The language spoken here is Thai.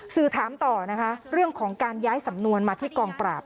สื่อถามต่อนะคะเรื่องของการย้ายสำนวนมาที่กองปราบ